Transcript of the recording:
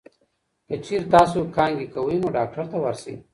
که چېرې تاسو کانګې کوئ، نو ډاکټر ته ورشئ.